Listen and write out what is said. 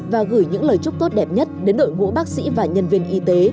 và gửi những lời chúc tốt đẹp nhất đến đội ngũ bác sĩ và nhân viên y tế